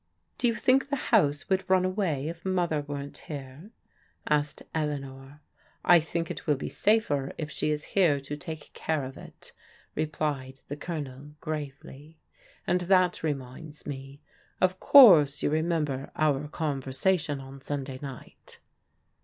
Do you think the house would run away if Mother weren't here? " asked Eleanor. "J think it will be safer if she is here to take care of it UNACCEPTABLE ADVICE 111 it/' replied the Colonel gravely. *'And that reminds me. Of course you remember our conversation on Sxmday night?"